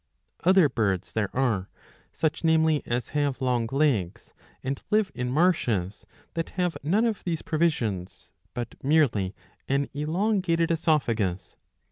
Other birds there are, such, namely, as have long legs and live in marshes, that have none of these provisions, but merely an elongated cesophagus.